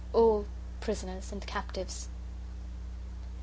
All prisoners and captives."